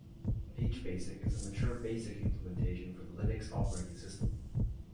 Hbasic is a mature Basic implementation for the Linux operating system.